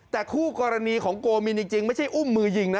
แต่คู่กรณีของโกมินจริงไม่ใช่อุ้มมือยิงนะ